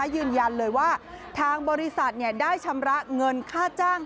ยืนยันเลยว่าทางบริษัทได้ชำระเงินค่าจ้าง